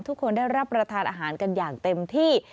ทุกคนได้รับประทานอาหารกันอย่างเต็มที่